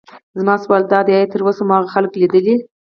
زما سوال دادی: ایا تراوسه مو هغه خلک لیدلي.